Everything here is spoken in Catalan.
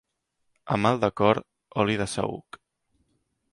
A mal de cor, oli de saüc.